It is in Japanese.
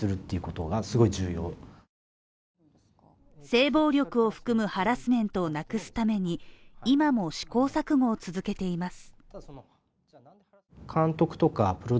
性暴力を含むハラスメントをなくすために今も試行錯誤を続けています。